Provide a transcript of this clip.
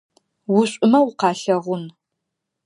Ушӏумэ укъалъэгъун.